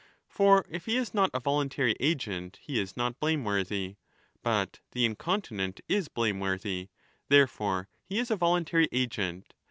For, if he is not a voluntary agent, he is not blameworthy. But the incontinent is blameworthy. Therefore he is a voluntary 35 agent.